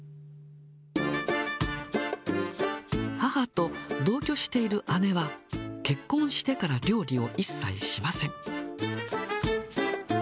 母と同居している姉は、結婚してから料理を一切しません。